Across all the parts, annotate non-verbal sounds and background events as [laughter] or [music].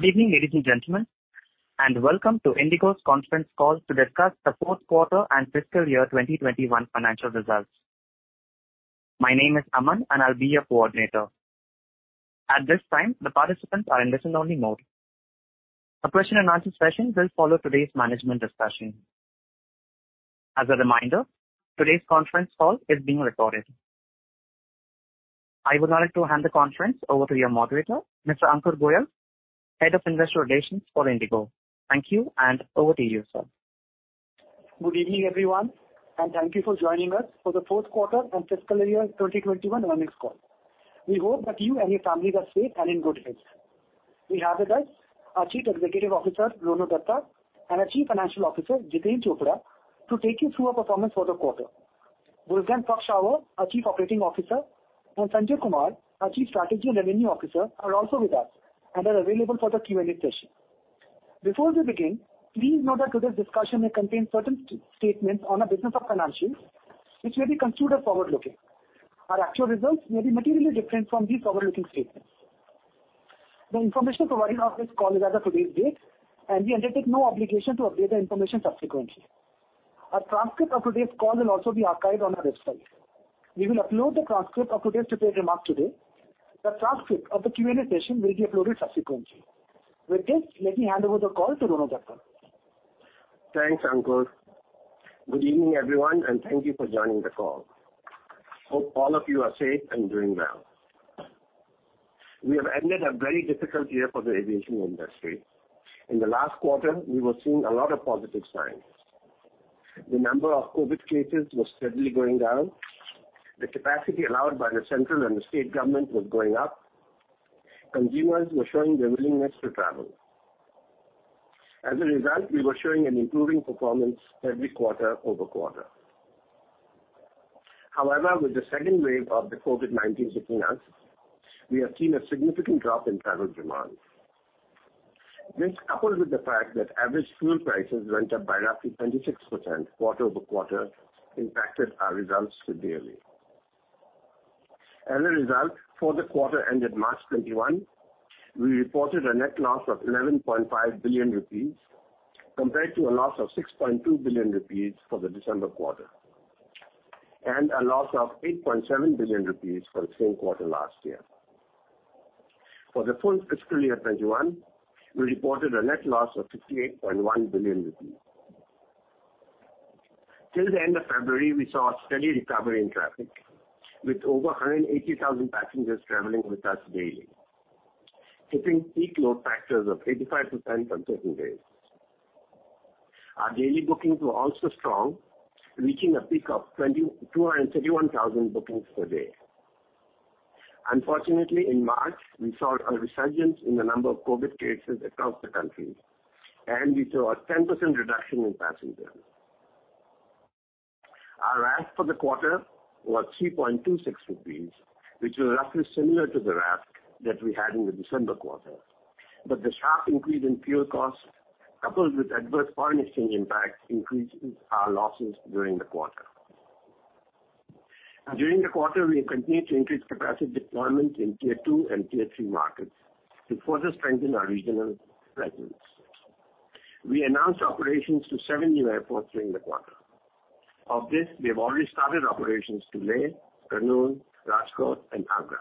Good evening, ladies and gentlemen, and welcome to IndiGo's conference call to discuss the Q4 and fiscal year 2021 financial results. My name is Aman, and I'll be your coordinator. At this time, the participants are in listen-only mode. A question and answer session will follow today's management discussion. As a reminder, today's conference call is being recorded. I would like to hand the conference over to your moderator, Mr. Ankur Goyal, Head of Investor Relations for InterGlobe Aviation. Thank you, and over to you, sir. Good evening, everyone. Thank you for joining us for the fourth quarter and fiscal year 2021 earnings call. We hope that you and your family are safe and in good health. We now have us our Chief Executive Officer, Rono Dutta, and our Chief Financial Officer, Jiten Chopra, to take you through our performance for the quarter. Wolfgang Prock-Schauer, our Chief Operating Officer, and Sanjay Kumar, our Chief Strategy and Revenue Officer, are also with us and are available for the Q&A session. Before we begin, please note that today's discussion may contain certain statements on our business or financials, which may be considered forward-looking. Our actual results may be materially different from these forward-looking statements. The information provided on this call is as of today's date. We undertake no obligation to update the information subsequently. A transcript of today's call will also be archived on our website. We will upload the transcript of today's prepared remarks today. The transcript of the Q&A session will be uploaded subsequently. With this, let me hand over the call to Rono Dutta. Thanks, Ankur. Good evening, everyone, and thank you for joining the call. Hope all of you are safe and doing well. We have had a very difficult year for the aviation industry. In the last quarter, we were seeing a lot of positive signs. The number of COVID-19 cases was steadily going down, the capacity allowed by the central and the state government was going up, consumers were showing a willingness to travel. As a result, we were showing an improving performance every quarter-over-quarter. However, with the second wave of the COVID-19 hitting us, we have seen a significant drop in travel demand. This, coupled with the fact that average fuel prices went up by roughly 26% quarter-over-quarter, impacted our results severely. As a result, for the quarter ended March 2021, we reported a net loss of 11.5 billion rupees compared to a loss of 6.2 billion rupees for the December quarter, and a loss of 8.7 billion rupees for the same quarter last year. For the full fiscal year 2021, we reported a net loss of 58.1 billion rupees. Till the end of February, we saw a steady recovery in traffic with over 180,000 passengers traveling with us daily, hitting peak load factors of 85% on certain days. Our daily bookings were also strong, reaching a peak of 231,000 bookings per day. Unfortunately, in March, we saw a resurgence in the number of COVID cases across the country, and we saw a 10% reduction in passengers. Our RASK for the quarter was 3.26 rupees, which was roughly similar to the RASK that we had in the December quarter. But the sharp increase in fuel costs, coupled with adverse foreign exchange impact, increased our losses during the quarter. During the quarter, we continued to increase capacity deployment in Tier 2 and Tier 3 markets to further strengthen our regional presence. We announced operations to seven new airports during the quarter. Of this, we have already started operations to Leh, Kannur, Rajkot, and Agra.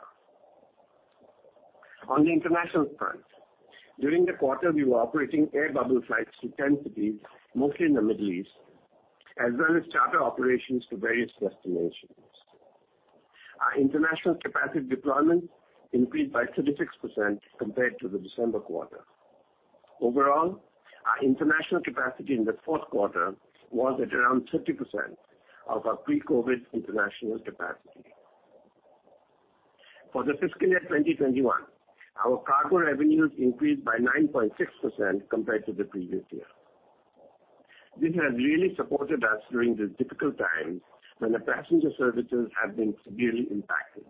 On the international front, during the quarter, we were operating air bubble flights to 10 cities, mostly in the Middle East, as well as charter operations to various destinations. Our international capacity deployment increased by 36% compared to the December quarter. Overall, our international capacity in the Q4 was at around 30% of our pre-COVID international capacity. For the fiscal year 2021, our cargo revenues increased by 9.6% compared to the previous year. This has really supported us during these difficult times when the passenger services have been severely impacted.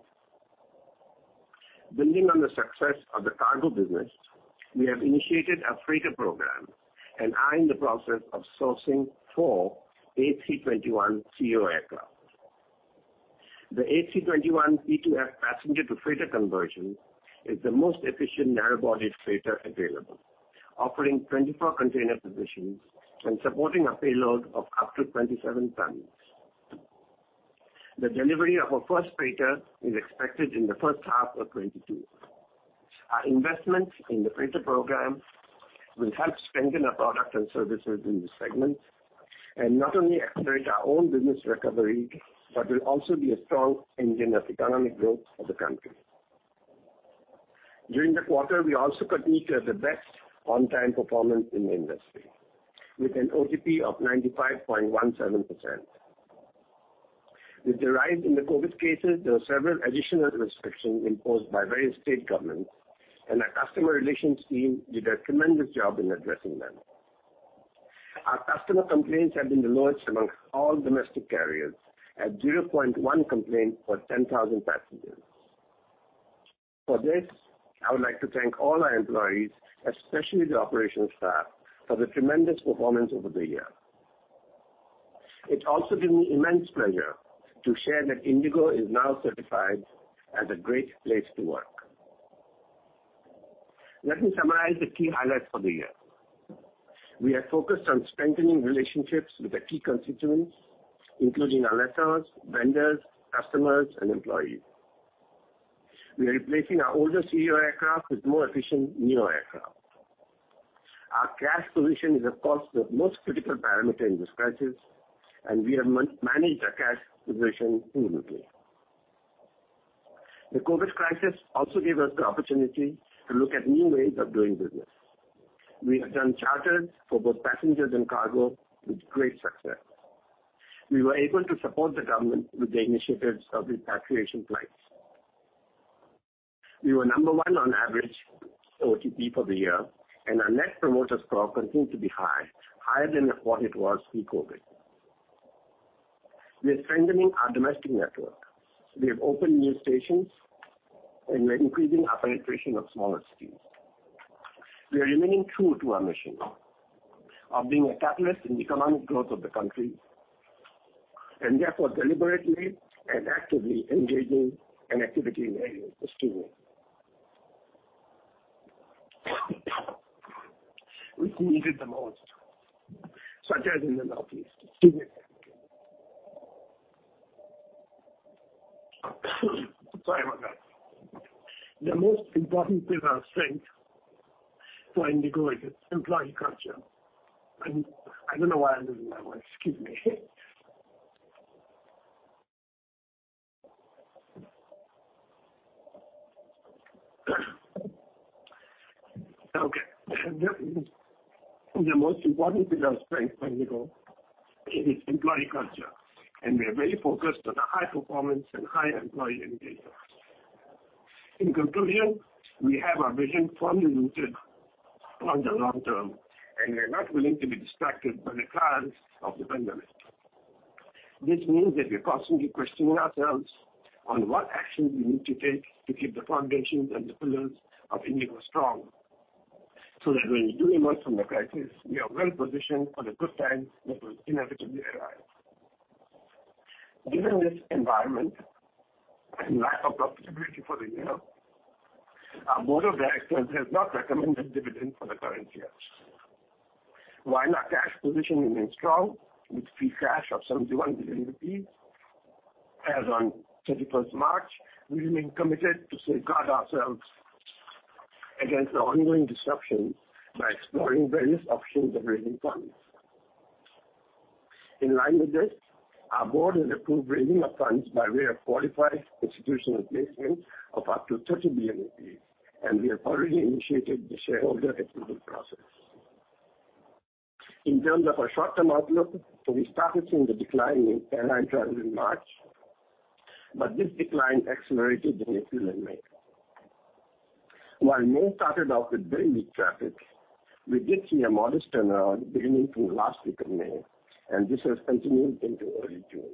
Building on the success of the cargo business, we have initiated our freighter program and are in the process of sourcing four A321ceo aircraft. The A321P2F passenger to freighter conversion is the most efficient narrow-bodied freighter available, offering 24 container positions and supporting a payload of up to 27 tons. The delivery of our first freighter is expected in the first half of 2022. Our investment in the freighter program will help strengthen our product and services in this segment and not only accelerate our own business recovery, but will also be a strong engine of economic growth for the country. During the quarter, we also continued to have the best on-time performance in the industry with an OTP of 95.17%. With the rise in the COVID cases, there were several additional restrictions imposed by various state governments, and our customer relations team did a tremendous job in addressing them. Our customer complaints have been the lowest among all domestic carriers at 0.1 complaint per 10,000 passengers. For this, I would like to thank all our employees, especially the operations staff, for the tremendous performance over the year. It's also given me immense pleasure to share that IndiGo is now certified as a Great Place to Work. Let me summarize the key highlights for the year. We are focused on strengthening relationships with our key constituents, including our lessors, vendors, customers, and employees. We are replacing our oldest ERJ aircraft with more efficient NEO aircraft. Our cash position is, of course, the most critical parameter in this crisis, and we have managed our cash position smoothly. The COVID crisis also gave us the opportunity to look at new ways of doing business. We have done charters for both passengers and cargo with great success. We were able to support the government with the initiatives of evacuation flights. We were number one on average OTP for the year. Our Net Promoter Score continued to be high, higher than what it was pre-COVID. We are strengthening our domestic network. We have opened new stations. We are increasing our penetration of smaller cities. We are remaining true to our mission of being a catalyst in the economic growth of the country. Therefore, deliberately and actively engaging in areas which need it the most, such as in the Northeast. Sorry about that. The most important pillar of strength for IndiGo is employee culture. I don't know why I'm doing that one. Excuse me. Okay. The most important pillar of strength for IndiGo is employee culture, and we are very focused on high performance and high employee engagement. In conclusion, we have our vision firmly rooted on the long term, and we are not willing to be distracted by the currents of the pandemic. This means that we are constantly questioning ourselves on what actions we need to take to keep the foundations and the pillars of IndiGo strong, so that when we emerge from the crisis, we are well-positioned for the good times that will inevitably arrive. Given this environment and lack of visibility for the year, our board of directors has not recommended a dividend for the current year. While our cash position remains strong with free cash of 71 billion rupees as on 31st March, we remain committed to safeguard ourselves against the ongoing disruption by exploring various options of raising funds. In line with this, our board has approved raising of funds by way of qualified institutional placement of up to 30 billion rupees. We have already initiated the shareholder approval process. In terms of our short-term outlook, we started seeing the decline in airline travel in March. This decline accelerated in April and May. While May started off with very weak traffic, we did see a modest turnaround beginning from the last week of May. This has continued into early June.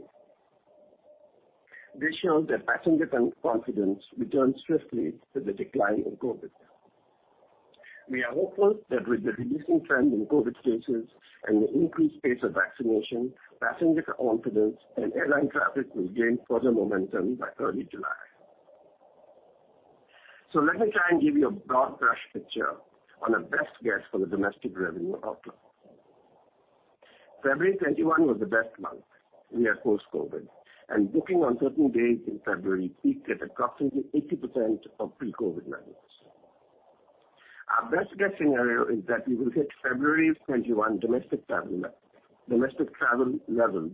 This shows that passenger confidence returned swiftly with the decline in COVID-19. We are hopeful that with the reducing trend in COVID-19 cases and the increased pace of vaccination, passenger confidence and airline traffic will gain further momentum by early July. Let me try and give you a broad brush picture on our best guess for the domestic revenue outlook. February 2021 was the best month in our post-COVID-19. Booking on certain days in February peaked at approximately 80% of pre-COVID-19 levels. Our best-guess scenario is that we will hit February 2021 domestic travel levels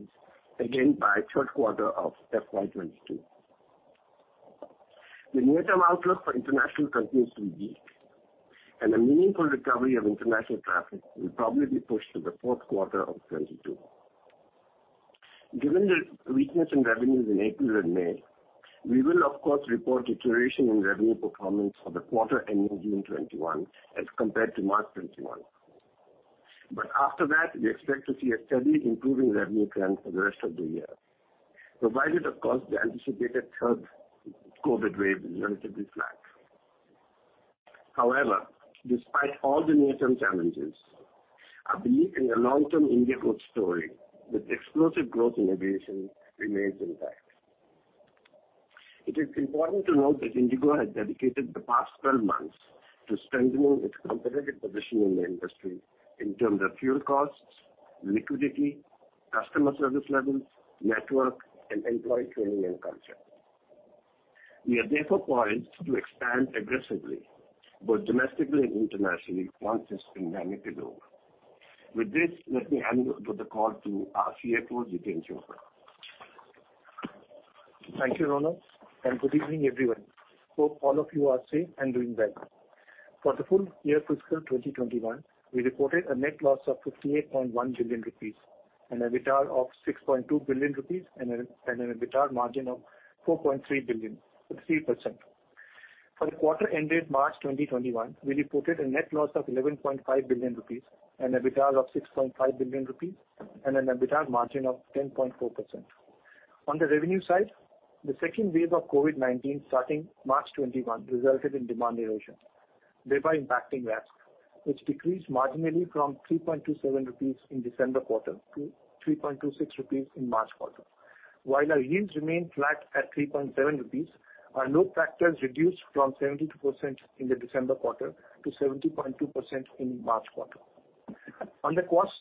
again by the third quarter of FY 2022. The near-term outlook for international continues to be weak. A meaningful recovery of international traffic will probably be pushed to the Q4 of 2022. Given the weakness in revenues in April and May, we will of course report deterioration in revenue performance for the quarter ending June 2021 as compared to March 2021. After that, we expect to see a steady improving revenue trend for the rest of the year, provided, of course, the anticipated third COVID-19 wave is relatively flat. However, despite all the near-term challenges, our belief in the long-term IndiGo story with explosive growth in aviation remains intact. It is important to note that IndiGo has dedicated the past 12 months to strengthening its competitive position in the industry in terms of fuel costs, liquidity, customer service levels, network, and employee training and culture. We are therefore poised to expand aggressively, both domestically and internationally, once this pandemic is over. With this, let me hand over the call to our CFO, Jiten Chopra. Thank you, Rono, good evening, everyone. Hope all of you are safe and doing well. For the full year fiscal 2021, we reported a net loss of 58.1 billion rupees and EBITDA of 6.2 billion rupees and an EBITDA margin of 4.3 billion, 3%. For the quarter ended March 2021, we reported a net loss of 11.5 billion rupees and EBITDA of 6.5 billion rupees and an EBITDA margin of 10.4%. On the revenue side, the second wave of COVID-19 starting March 2021 resulted in demand erosion, thereby impacting EASKs, which decreased marginally from 3.27 rupees in December quarter to 3.26 rupees in March quarter. While our yields remained flat at 3.7 rupees, our load factors reduced from 72% in the December quarter to 70.2% in the March quarter. On the cost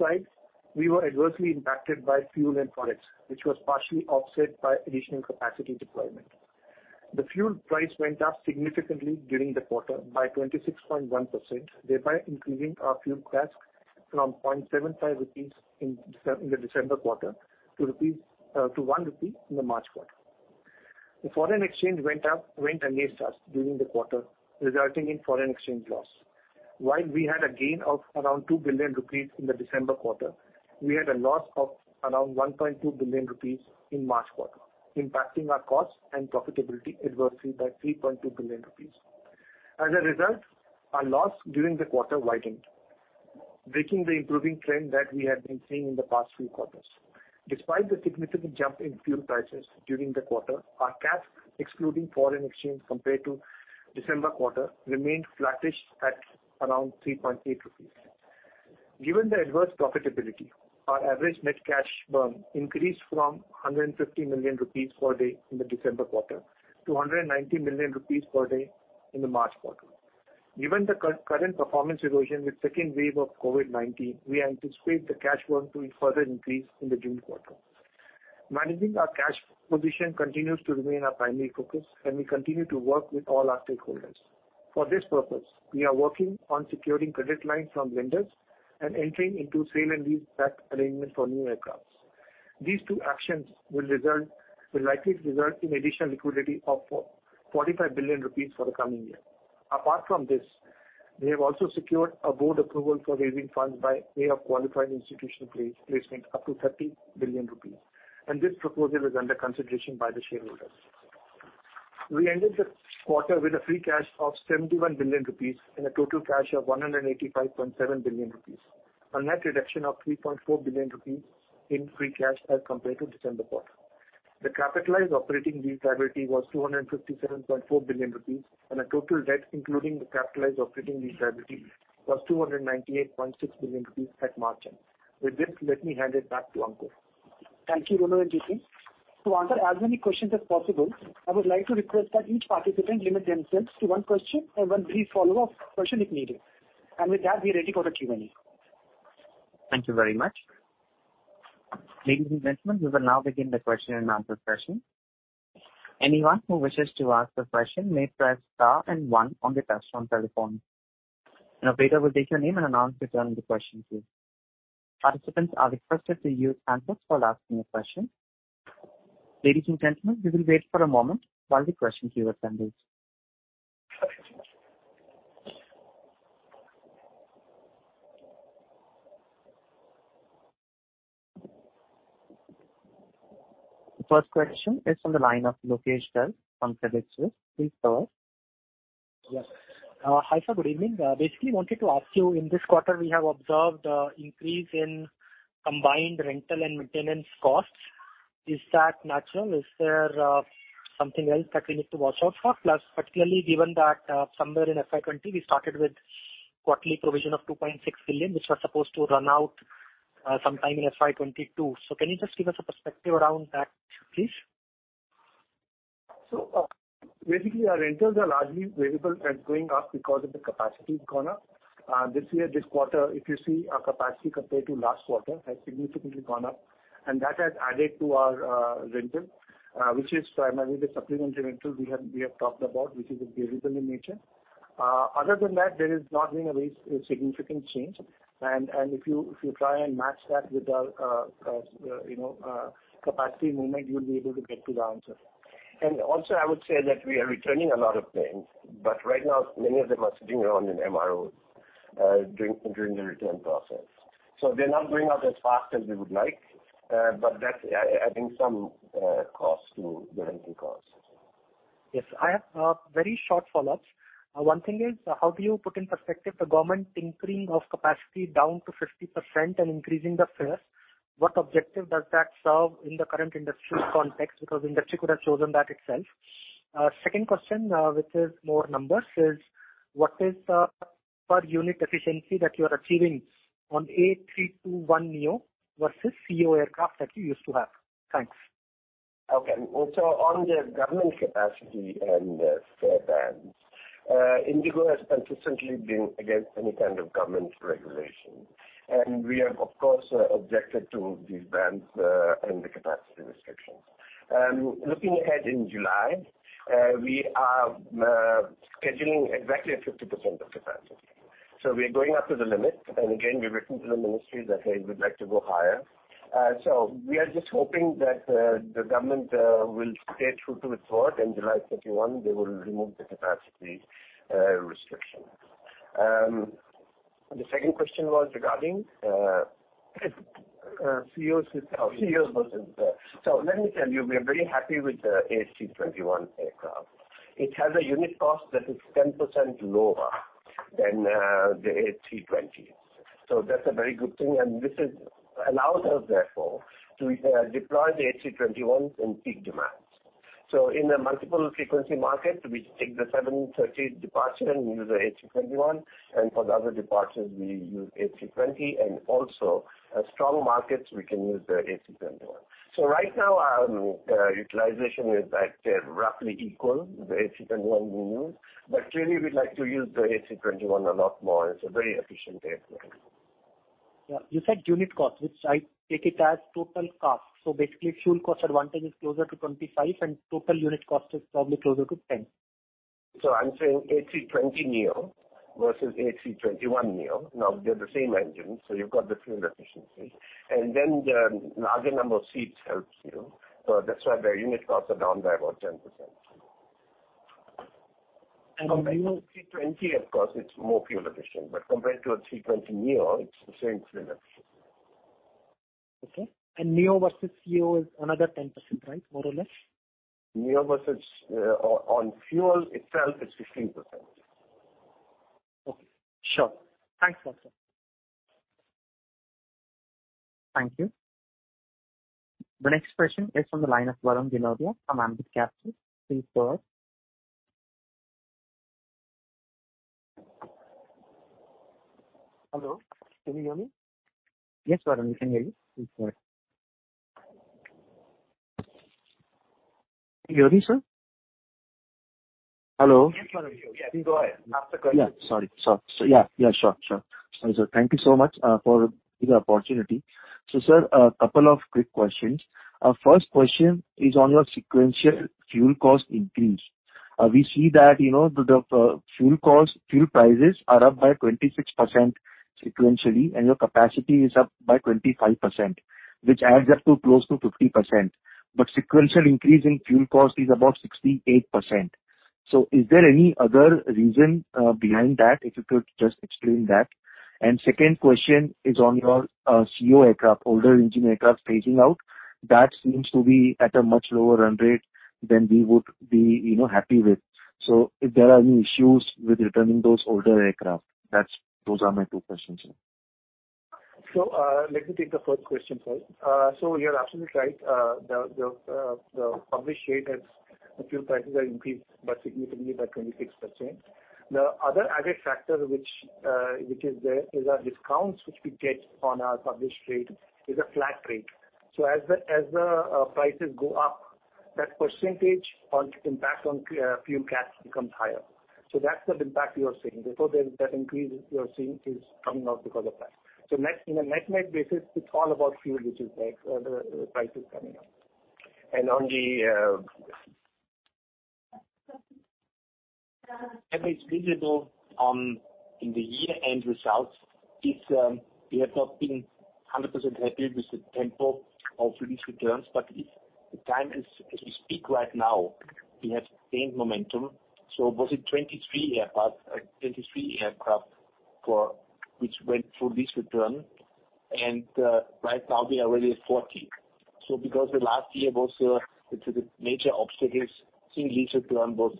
side, we were adversely impacted by fuel and forex, which was partially offset by additional capacity deployment. The fuel price went up significantly during the quarter by 26.1%, thereby increasing our fuel CASK from 0.75 rupees in the December quarter to 1 rupee in the March quarter. The foreign exchange went against us during the quarter, resulting in foreign exchange loss. While we had a gain of around 2 billion rupees in the December quarter, we had a loss of around 1.2 billion rupees in March quarter, impacting our costs and profitability adversely by 3.2 billion rupees. As a result, our loss during the quarter widened, breaking the improving trend that we had been seeing in the past few quarters. Despite the significant jump in fuel prices during the quarter, our CASK, excluding foreign exchange compared to December quarter, remained flattish at around 3.8 rupees. Given the adverse profitability, our average net cash burn increased from 150 million rupees per day in the December quarter to 190 million rupees per day in the March quarter. Given the current performance erosion with second wave of COVID-19, we anticipate the cash burn to further increase in the June quarter. Managing our cash position continues to remain our primary focus, and we continue to work with all our stakeholders. For this purpose, we are working on securing credit line from vendors and entering into Sale and Leaseback arrangements on new aircraft. These two actions will likely result in additional liquidity of 45 billion rupees for the coming year. Apart from this, we have also secured a board approval for raising funds by way of qualified institutional placement up to 30 billion rupees, and this proposal is under consideration by the shareholders. We ended the quarter with a free cash of 71 billion rupees and a total cash of 185.7 billion rupees. A net reduction of 3.4 billion rupees in free cash as compared to December quarter. The capitalized operating lease liability was 257.4 billion rupees and our total debt, including the capitalized operating lease liability, was 298.6 billion rupees at March end. With this, let me hand it back to Ankur. Thank you, Rono and Jiten. To answer as many questions as possible, I would like to request that each participant limit themselves to one question and one brief follow-up question if needed, and with that be ready for the Q&A. Thank you very much. Ladies and gentlemen, we will now begin the question and answer session. Anyone who wishes to ask a question may press star and one on their touch-tone telephone. An operator will take your name and announce it on the question queue. Participants are requested to use handsets while asking a question. Ladies and gentlemen, we will wait for a moment while the questions queue assembles. First question is from the line of Lokesh Garg from Credit Suisse. Please go on. Yes. Hi, sir. Good evening. Basically wanted to ask you, in this quarter, we have observed increase in combined rental and maintenance costs. Is that natural? Is there something else that we need to watch out for? Particularly given that somewhere in FY 2020, we started with quarterly provision of 2.6 billion, which was supposed to run out sometime in FY 2022. Can you just give us a perspective around that, please? Basically, our rentals are largely variable and going up because of the capacity has gone up. This year, this quarter, if you see our capacity compared to last quarter has significantly gone up, and that has added to our rental, which is primarily the supplementary rental we have talked about, which is variable in nature. Other than that, there has not been a very significant change. If you try and match that with our capacity movement, you'll be able to get to the answer. I would say that we are returning a lot of planes, but right now, many of them are sitting around in MRO during the return process. They're not going out as fast as we would like. That's adding some cost to the rental costs. Yes. I have very short follow-ups. One thing is, how do you put in perspective the government tinkering of capacity down to 50% and increasing the fares? What objective does that serve in the current industry context? IndiGo could have chosen that itself. Second question, which is more numbers, is what is the per unit efficiency that you're achieving on A321neo versus ceo aircraft that you used to have? Thanks. On the government capacity and the fare bans. IndiGo has consistently been against any kind of government regulation, and we have of course, objected to these bans and the capacity restrictions. Looking ahead in July, we are scheduling exactly at 50% of capacity. We are going up to the limit. Again, we've written to the ministry that, hey, we'd like to go higher. We are just hoping that the government will stay true to its word, and July 21, they will remove the capacity restrictions. CEOs versus- Let me tell you, we are very happy with the A321 aircraft. It has a unit cost that is 10% lower than the A320. That's a very good thing, and this allows us, therefore, to deploy the A321 in peak demand. In a multiple frequency market, we take the 7:30 A.M. departure and use the A321, and for the other departures, we use A320, and also strong markets we can use the A321. Right now, our utilization is roughly equal, the A321 we use, but really, we'd like to use the A321 a lot more. It's a very efficient aircraft. You said unit cost, which I take it as total cost. Basically, fuel cost advantage is closer to 25, and total unit cost is probably closer to 10. I'm saying A320neo versus A321neo. They're the same engine, so you've got the fuel efficiency, and then the larger number of seats helps you. That's why the unit cost are down by about 10%. [crosstalk] Compared to A320, of course, it's more fuel efficient, but compared to A320neo, it's the same fuel efficiency. Okay, neo versus ceo is another 10%, right? More or less. On fuel itself, it's 15%. Okay, sure. Thanks a lot, sir. Thank you. The next question is from the line of Varun Ginodia, Ambit Capital. Please go ahead. Hello, can you hear me? Yes, Varun, we can hear you. Please go ahead. Can you hear me, sir? Hello? Yes, Varun. You can go ahead. Ask the question. Yeah, sorry. Yeah, sure. Thank you so much for the opportunity. Sir, a couple of quick questions. First question is on your sequential fuel cost increase. We see that the fuel prices are up by 26% sequentially, and your capacity is up by 25%, which adds up to close to 50%. Sequential increase in fuel cost is about 68%. Is there any other reason behind that? If you could just explain that. Second question is on your ceo aircraft, older engine aircraft staging out. That seems to be at a much lower run rate than we would be happy with. If there are any issues with returning those older aircraft? Those are my two questions, sir. Let me take the first question first. You're absolutely right, the published rate and the fuel prices are increased by significantly by 26%. The other added factor which is there is our discounts, which we get on our published rate, is a flat rate. As the prices go up, that percentage impact on fuel CASK becomes higher. That's the impact you are seeing. The increase you're seeing is coming out because of that. Net-net basis, it's all about fuel, which is why the price is coming up. Average available on the year-end results, if we have not been 100% happy with the tempo of lease returns, the time, as we speak right now, we have gained momentum. Was it 23 aircraft which went for lease return, and right now we are already at 40. Because the last year, the major obstacles in lease return was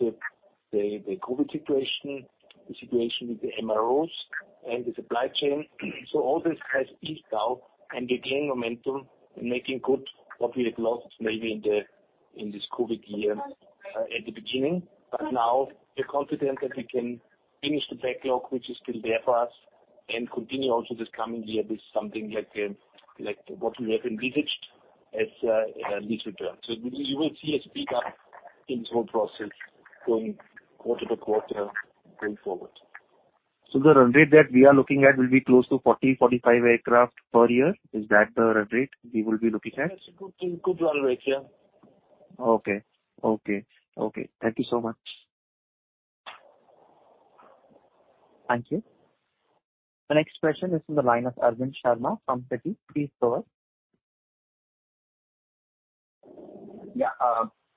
the COVID situation, the situation with the MROs, and the supply chain. All this has eased out, and we're gaining momentum and making good what we had lost maybe in this COVID year at the beginning. Now we are confident that we can finish the backlog, which is still there for us, and continue also this coming year with something like what we have envisaged as lease returns. You will see us pick up in this whole process quarter to quarter going forward. The run rate that we are looking at will be close to 40, 45 aircraft per year. Is that the run rate we will be looking at? Yes, good run rate, yeah. Okay. Thank you so much. Thank you. The next question is from the line of Arvind Sharma from Kotak. Please go ahead. Yeah.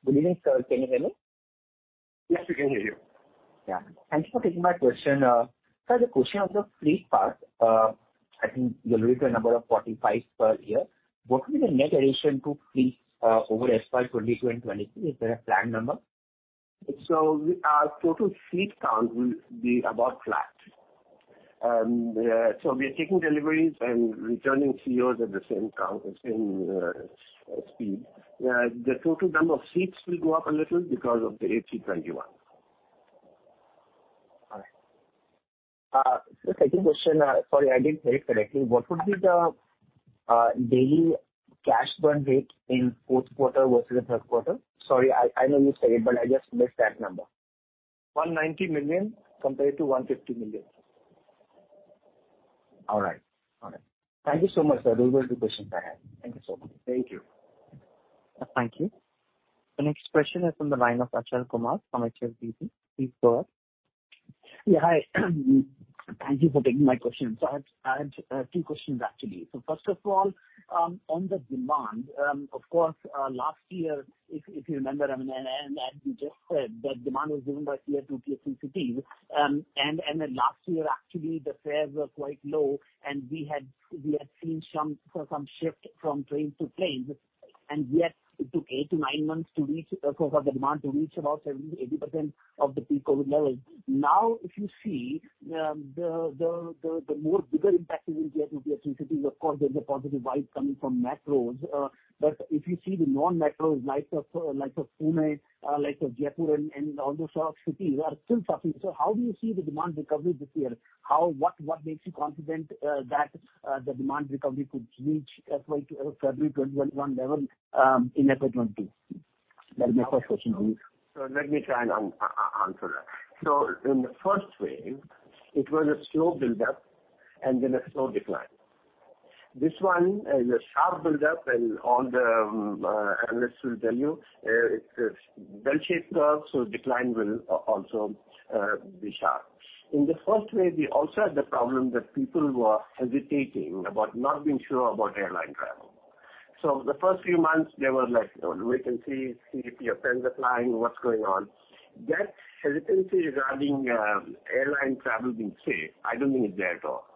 Good evening, sir. Can you hear me? Yes, we can hear you. Yeah. Thank you for taking my question. Sir, the question on the fleet part, I think the deliveries are number of 45 per year. What will be the net addition to fleet over FY 2023? Is there a planned number? Our total fleet count will be about flat. We are taking deliveries and returning ceos at the same speed. The total number of seats will go up a little because of the A321. All right. Second question. Sorry, I didn't hear you correctly. What would be the daily cash burn rate in Q4 versus Q3? Sorry, I know you said, but I just missed that number. 190 million compared to 150 million. All right. Thank you so much, sir. Those were the questions I had. Thank you so much. Thank you. Thank you. The next question is from the line of Achal Kumar from HDFC. Please go ahead. Yeah, hi. Thank you for taking my question, sir. I have two questions, actually. First of all, on the demand, of course, last year, if you remember, and as you just said, the demand is driven by Tear 2, Tear 3 cities. Last year, actually, the fares were quite low, and we had seen some shift from train to plane. Yet it took 8-9 months for the demand to reach about 70%, 80% of the pre-COVID levels. If you see the bigger impact in Tear 2, Tear 3 cities, of course, there's a positive vibe coming from metros. If you see the non-metros like Pune, like Jaipur and other sort of cities are still suffering. How do you see the demand recovery this year? What makes you confident that the demand recovery could reach FY 2021 level in FY 2022? That's my first question. Let me try and answer that. In the first wave, it was a slow build-up and then a slow decline. This one is a sharp build-up, and all the analysts will tell you, it's a bell-shaped curve, so decline will also be sharp. In the first wave, we also had the problem that people were hesitating about not being sure about airline travel. The first few months, they were like, "Wait and see if your friends are flying, what's going on?" That hesitancy regarding airline travel being safe, I don't think is there at all.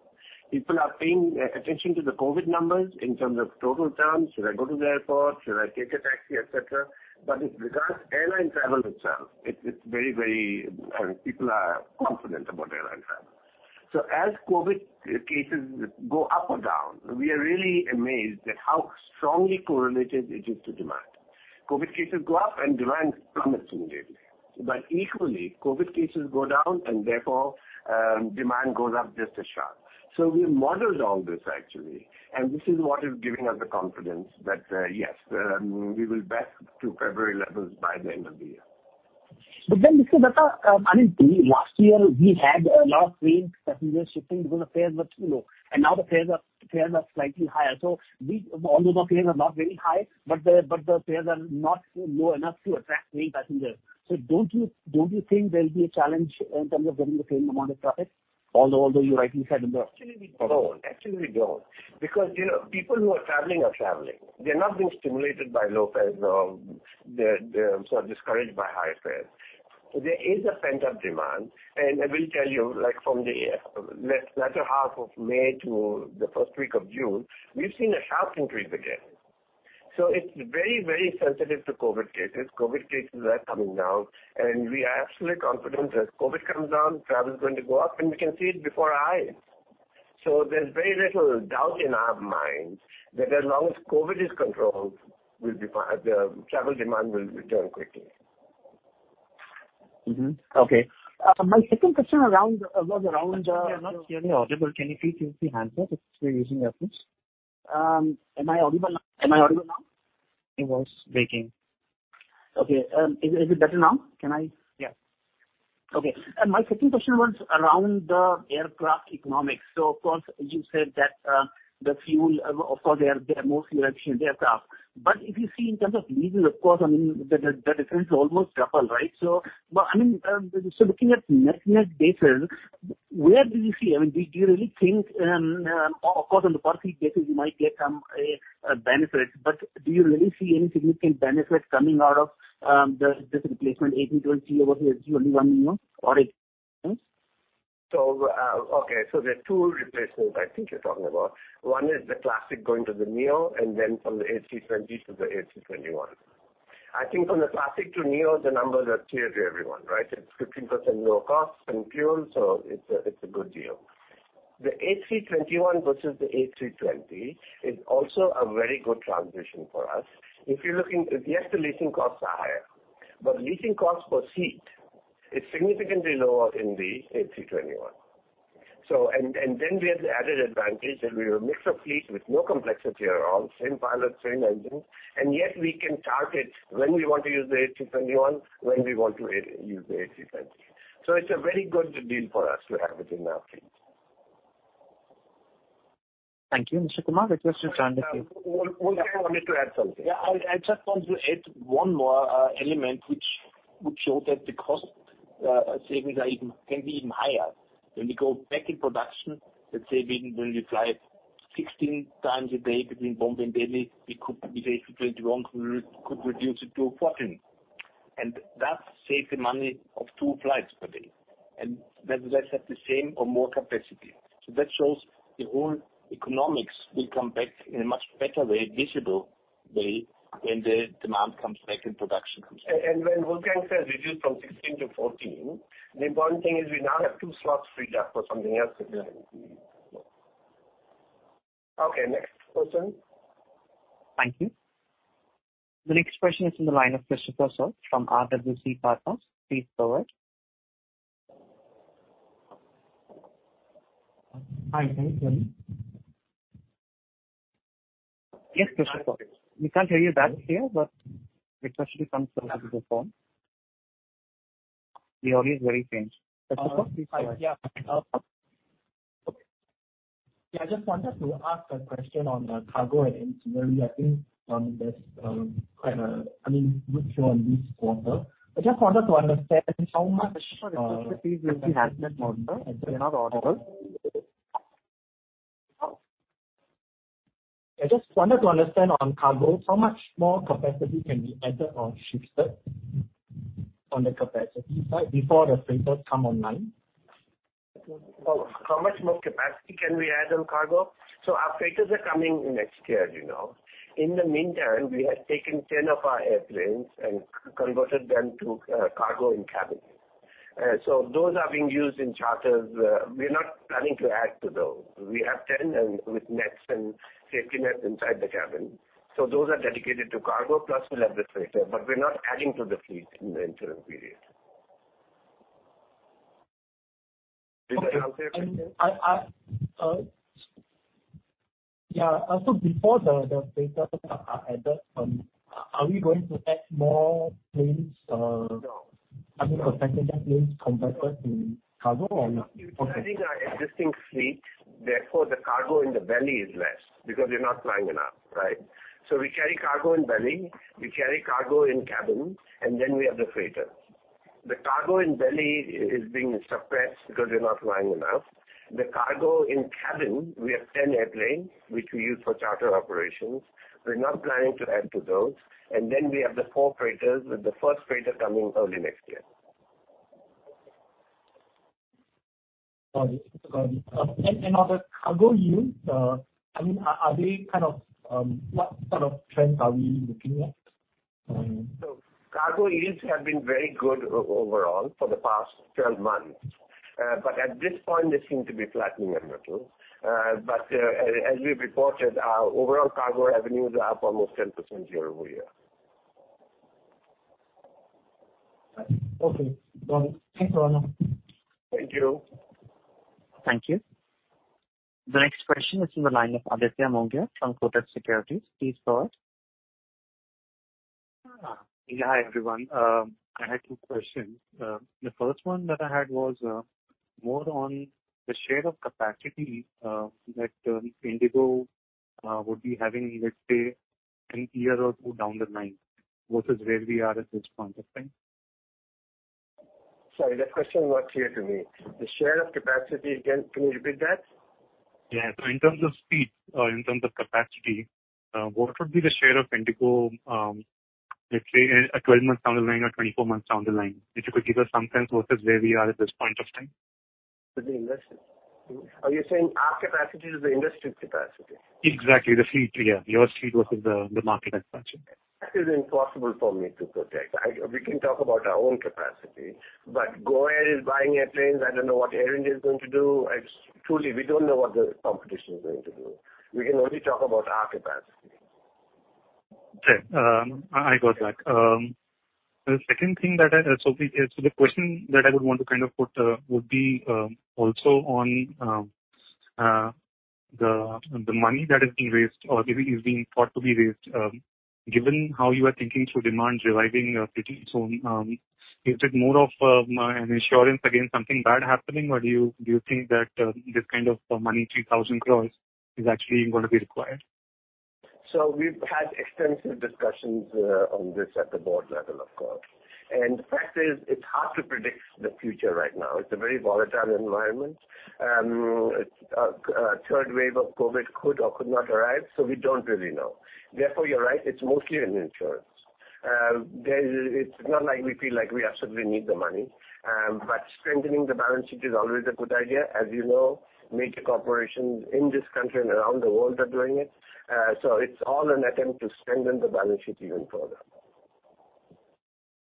People are paying attention to the COVID-19 numbers in terms of total terms, "Should I go to the airport? Should I take a taxi," et cetera. Regards airline travel itself, people are confident about airline travel. As COVID cases go up or down, we are really amazed at how strongly correlated it is to demand. COVID cases go up. Demand comes immediately. Equally, COVID cases go down, and therefore, demand goes up just as sharp. We modeled all this actually, and this is what is giving us the confidence that, yes, we will be back to February levels by the end of the year. Rono Dutta, I mean, last year we had a lot of paying passengers shifting because the fares were low, and now the fares are slightly higher. Although the fares are not very high, but the fares are not low enough to attract paying passengers. Don't you think there'll be a challenge in terms of getting the same amount of traffic, although you rightly said in the- Actually, we don't. Because people who are traveling are traveling. They're not being stimulated by low fares or they're sort of discouraged by high fares. There is a pent-up demand, and I will tell you, from the latter half of May to the first week of June, we've seen a sharp increase again. It's very, very sensitive to COVID cases. COVID cases are coming down, and we are absolutely confident that COVID comes down, travel is going to go up, and we can see it before our eyes. There's very little doubt in our minds that as long as COVID is controlled, the travel demand will return quickly. Mm-hmm. Okay. My second question around- We are not clearly audible. Can you please use the handset if you're using headphones? Am I audible now? It was breaking. Okay. Is it better now? Can I- Yeah. Okay. My second question was around the aircraft economics. Of course, as you said that the fuel, of course, they are more fuel-efficient aircraft. If you see in terms of leasing, of course, I mean, the difference is almost double, right? I mean, so looking at net new leases, where do you see, I mean, do you really think, of course, on the profit cases you might get some benefits, but do you really see any significant benefits coming out of this replacement A320 over the A321neo or A321? There are two replacements I think you're talking about. One is the Classic going to the neo, then from the A320 to the A321. I think from the Classic to neo, the numbers are clear to everyone, right? It's 15% lower cost in fuel, it's a good deal. The A321 versus the A320 is also a very good transition for us. The leasing costs are higher, but leasing cost per seat is significantly lower in the A321. Then we have the added advantage that we have a mix of fleet with no complexity around, same pilot, same engine, and yet we can target when we want to use the A321, when we want to use the A320. It's a very good deal for us to have it in our fleet. Thank you, Rono Dutta. Hold on. I wanted to add something. Yeah. I just want to add one more element which would show that the cost savings are even higher. When we go back in production, the saving when you fly 16* a day between Bombay and Delhi, the A321 could reduce it to 14. That saves the money of two flights per day, and that has the same or more capacity. That shows the whole economics will come back in a much better way, visible way, when the demand comes back and production comes back. When Wolfgang says reduce from 16-14, the important thing is we now have two slots free up for something else if we need to. Okay, next question. Thank you. The next question is in the line of Koushik Somasundar from RWC Partners. Please go ahead. Hi, can you hear me? Yes, Koushik. We can hear you back here, but make sure she comes to the handset phone. The audio is very faint. I just wanted to ask a question on cargo and generally, I think there's quite a good turn this quarter. Koushik, can you please use the handset monitor and turn off the auto? I just wanted to understand on cargo, how much more capacity can be added or shifted? On the capacity before the freighter come online. How much more capacity can we add on cargo? Our freighters are coming next year. In the meantime, we have taken 10 of our airplanes and converted them to cargo and cabin. Those are being used in charters. We're not planning to add to those. We have 10 with nets and safety nets inside the cabin. Those are dedicated to cargo plus we'll have the freighter, but we're not adding to the fleet in the interim period. Yeah. Before the freighter are added, are we going to add more passenger planes converted to cargo or not? We are using our existing fleet, therefore, the cargo in the belly is less because we're not flying enough, right? We carry cargo in belly, we carry cargo in cabin, we have the freighter. The cargo in belly is being suppressed because we're not flying enough. The cargo in cabin, we have 10 airplanes, which we use for charter operations. We're not planning to add to those. We have the four freighters with the first freighter coming early next year. Got it. On the cargo yields, what kind of trend are we looking at? Cargo yields have been very good overall for the past 12 months. At this point, they seem to be flattening a little. As we reported, our overall cargo revenues are up almost 10% year-over-year. Okay, got it. Thanks, Rono. Thank you. Thank you. The next question is from the line of Aditya Mongia from Kotak Securities. Please go ahead. Yeah. Hi, everyone. I had two questions. The first one that I had was more on the share of capacity that IndiGo would be having, let's say, a year or two down the line versus where we are at this point of time. Sorry, the question was here to me. The share of capacity again, can you repeat that? Yeah. In terms of fleet, in terms of capacity, what would be the share of IndiGo, let's say, 12 months down the line or 24 months down the line? If you could give a sense versus where we are at this point of time. With the industry? Are you saying our capacity or the industry capacity? Exactly, the fleet here, your fleet versus the market as such. That is impossible for me to project. We can talk about our own capacity. GoAir is buying airplanes. I don't know what Air India is going to do. Truly, we don't know what the competition is going to do. We can only talk about our capacity. Okay, I got that. The second thing that, so the question that I would want to put would be also on the money that is being raised or is being thought to be raised, given how you are thinking through demand reviving, is it more of an insurance against something bad happening, or do you think that this kind of money, 3,000 crores, is actually going to be required? We've had extensive discussions on this at the board level, of course. The fact is, it's hard to predict the future right now. It's a very volatile environment. A third wave of COVID could or could not arrive, so we don't really know. Therefore, you're right, it's mostly an insurance. It's not like we feel like we absolutely need the money, but strengthening the balance sheet is always a good idea. As you know, major corporations in this country and around the world are doing it. It's all an attempt to strengthen the balance sheet even further.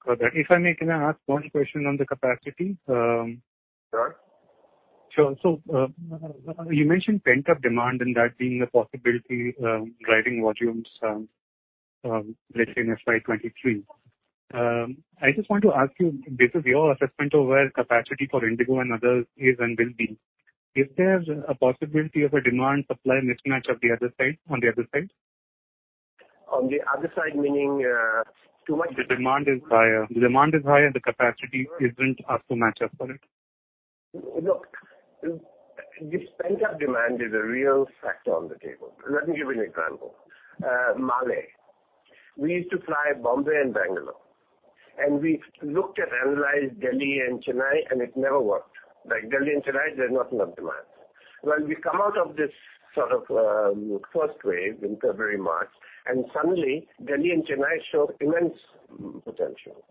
Got that. If I may, can I ask one question on the capacity? Sure. You mentioned pent-up demand and that being a possibility, driving volumes, let's say, in FY 2023. I just want to ask you, this is your assessment of where capacity for IndiGo and others is and will be. Is there a possibility of a demand-supply mismatch on the other side? On the other side. The demand is higher, the capacity isn't enough to match up for it. Look, this pent-up demand is a real factor on the table. Let me give you an example. Malé. We used to fly Bombay and Bangalore. We analyzed Delhi and Chennai, and it never worked. Delhi and Chennai, there's nothing of demand. When we come out of this first wave in February, March, and suddenly Delhi and Chennai show immense potential.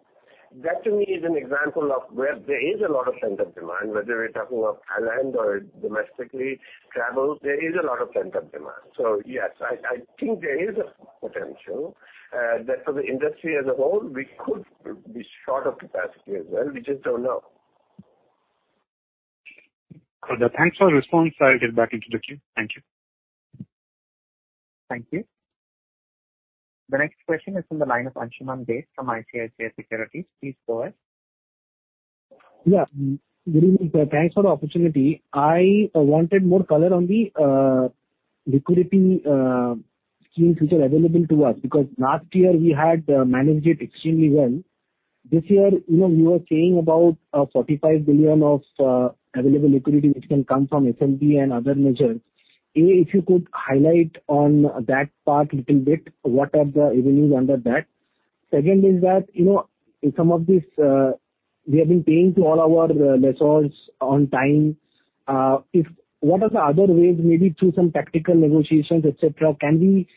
That to me is an example of where there is a lot of pent-up demand, whether we're talking of international or domestically, travel, there is a lot of pent-up demand. Yes, I think there is a potential that for the industry as a whole, we could be short of capacity as well. We just don't know. Got that. Thanks for your response. Sorry to get back into the queue. Thank you. Thank you. The next question is from the line of Anshuman Basak from ICICI Securities. Please go ahead. Yeah. Good evening. Thanks for the opportunity. I wanted more color on the liquidity streams which are available to us, because last year we had managed it extremely well. This year, you were saying about 45 billion of available liquidity which can come from SLB and other measures. A, if you could highlight on that part little bit, what are the avenues under that? Second is that, we have been paying to all our lessors on time. What are the other ways, maybe through some tactical negotiations, et cetera, can we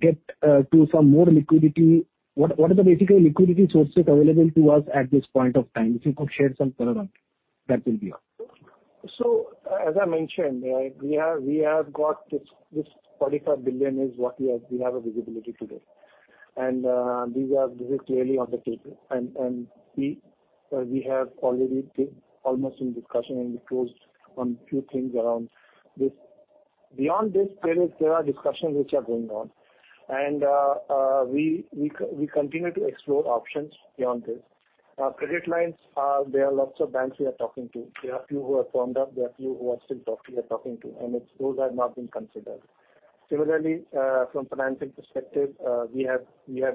get to some more liquidity? What are the basically liquidity sources available to us at this point of time? If you could share some color on that will be helpful. As I mentioned, we have got this $0.5 billion is what we have a visibility today, and these are clearly on the table. We have already been almost in discussion and closed on a few things around this. Beyond this, there are discussions which are going on, and we continue to explore options beyond this. Credit lines, there are lots of banks we are talking to. There are a few who have turned up, there are a few who we are still talking to, and those have not been considered. Similarly, from financing perspective, we have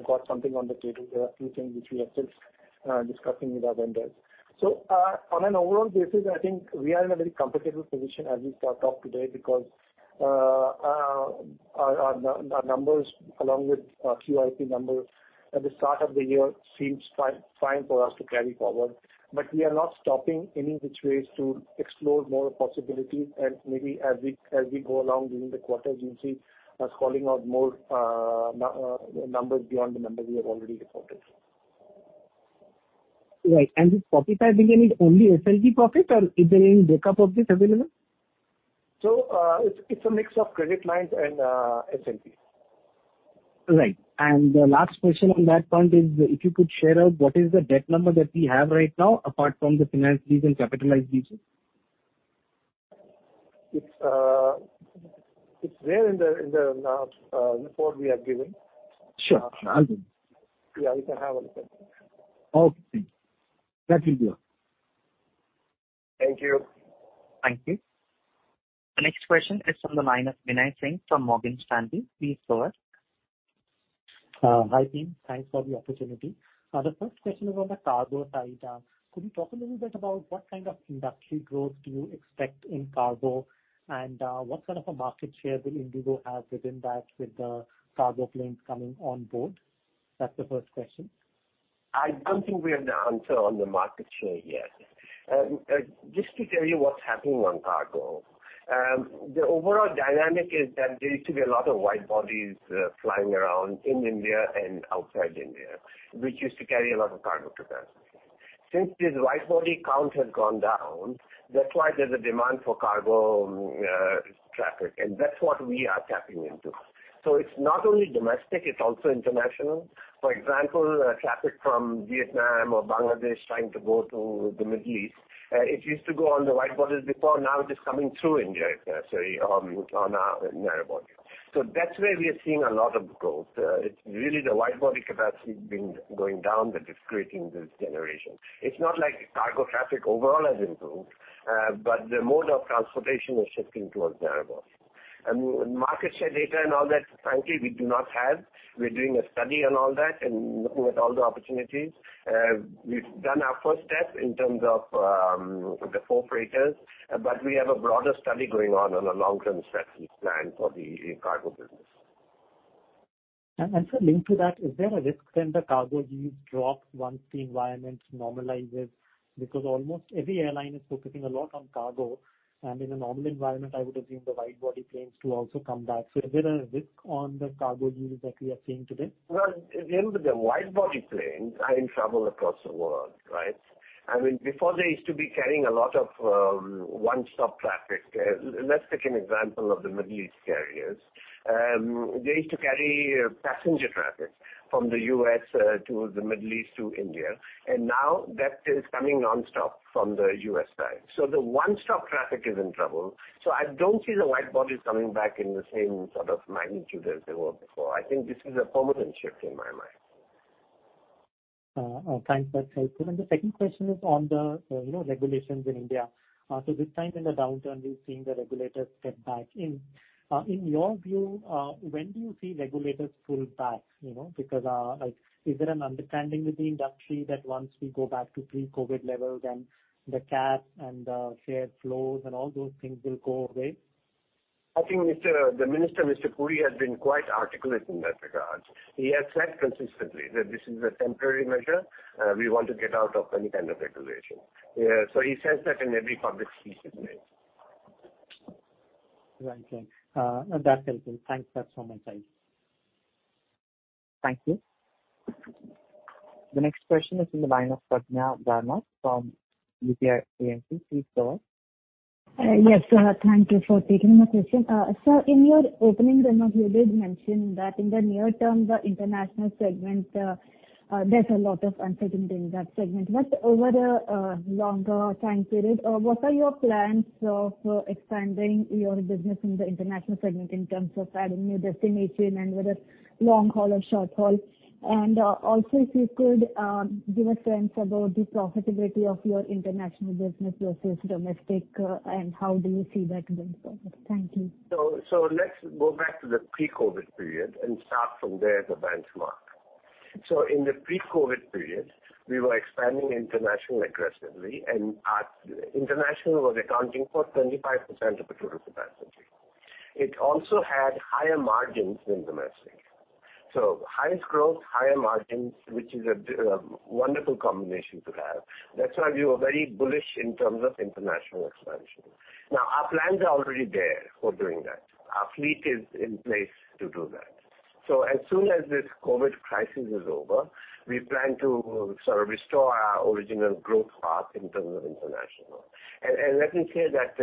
got something on the table, a few things which we are still discussing with our vendors. On an overall basis, I think we are in a very comfortable position as we talk today because our numbers, along with QIP numbers at the start of the year seems fine for us to carry forward. We are not stopping any which ways to explore more possibilities, and maybe as we go along during the quarter, you'll see us rolling out more numbers beyond the numbers we have already reported. Right. This $0.5 billion is only SLB profit? Is there any breakup of this available? It's a mix of credit lines and SLBs. Right. The last question on that front is, if you could share what is the debt number that we have right now, apart from the finance lease and capitalized leases? It's there in the report we have given. Sure. I'll do. Yeah, you can have a look at it. Okay. That will be all. Thank you. Thank you. The next question is from the line of Pulkit Singhal from Morgan Stanley. Please go ahead. Hi, team. Thanks for the opportunity. The first question is on the cargo side. Could you talk a little bit about what kind of industry growth do you expect in cargo, and what sort of a market share will IndiGo have within that with the cargo planes coming on board? That's the first question. I don't think we have the answer on the market share yet. Just to tell you what's happening on cargo. The overall dynamic is that there used to be a lot of wide-bodies flying around in India and outside India, which used to carry a lot of cargo capacity. Since these wide-body counts have gone down, that's why there's a demand for cargo traffic, and that's what we are tapping into. It's not only domestic, it's also international. For example, traffic from Vietnam or Bangladesh trying to go to the Middle East, it used to go on the wide-bodies before. Now it is coming through India, say on our narrow body. That's where we are seeing a lot of growth. Really, the wide-body capacity going down that is creating this generation. It's not like cargo traffic overall has improved, but the mode of transportation is shifting towards narrow bodies. Market share data and all that, frankly, we do not have. We're doing a study on all that and looking at all the opportunities. We've done our first step in terms of the four freighters, but we have a broader study going on a long-term strategy plan for the cargo business. Also linked to that, is there a risk then the cargo use drops once the environment normalizes? Almost every airline is focusing a lot on cargo, and in a normal environment, I would assume the wide-body planes will also come back. Is there a risk on the cargo yields that we are seeing today? Again, with the wide-body planes, I travel across the world, right? Before they used to be carrying a lot of one-stop traffic. Let's take an example of the Middle East carriers. They used to carry passenger traffic from the U.S. to the Middle East to India. Now that is coming nonstop from the U.S. side. The one-stop traffic is in trouble. I don't see the wide-bodies coming back in the same sort of magnitude as they were before. I think this is a permanent shift in my mind. Thanks. That's helpful. The second question is on the regulations in India. This time in the downturn, we're seeing the regulators step back in. In your view, when do you see regulators pull back? Is there an understanding with the industry that once we go back to pre-COVID levels, then the caps and the fare floors and all those things will go away? I think the minister, Mr. Puri, has been quite articulate in that regard. He has said consistently that this is a temporary measure. We want to get out of any kind of regulation. He says that in every public speech he makes. Right. That's helpful. Thanks. That's all my time. Thank you. The next question is from the line of Pragya Damodaran from UTI AMC. Please go on. Yes. Thank you for taking my question. Sir, in your opening remarks, you did mention that in the near term, the international segment, there's a lot of uncertainty in that segment. Over a longer time period, what are your plans for expanding your business in the international segment in terms of adding new destinations and whether it's long-haul or short-haul? Also, if you could give a sense about the profitability of your international business versus domestic, and how do you see that going forward? Thank you. Let's go back to the pre-COVID period and start from there as a benchmark. In the pre-COVID period, we were expanding international aggressively, and international was accounting for 25% of total capacity. It also had higher margins than domestic. High growth, high margins, which is a wonderful combination to have. That's why we were very bullish in terms of international expansion. Now, our plans are already there for doing that. Our fleet is in place to do that. As soon as this COVID crisis is over, we plan to sort of restore our original growth path in terms of international. Let me say that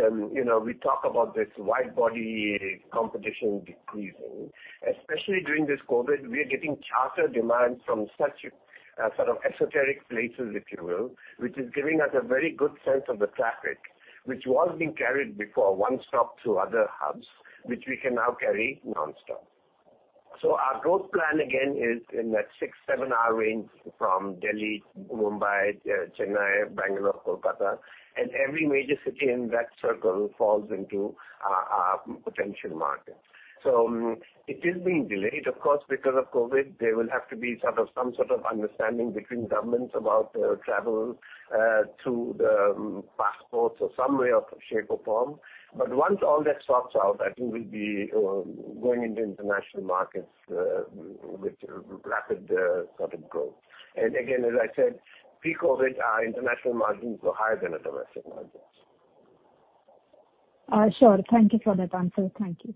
we talk about this wide-body competition decreasing, especially during this COVID, we are getting charter demand from such esoteric places, if you will, which is giving us a very good sense of the traffic, which was being carried before one stop to other hubs, which we can now carry non-stop. Our growth plan again is in that six, seven hour range from Delhi, Mumbai, Chennai, Bangalore, Kolkata, and every major city in that circle falls into our potential market. It is being delayed, of course, because of COVID. There will have to be some sort of understanding between governments about travel through the passports or some way of shape or form. Once all that sorts out, I think we'll be going into international markets with rapid growth. Again, as I said, pre-COVID, our international margins were higher than the domestic margins. Sure. Thank you for that answer. Thank you.